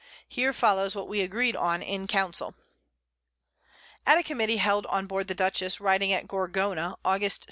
Here follows what we agreed on in Council. At a Committee held on board the Dutchess, riding at Gorgona, _August 6.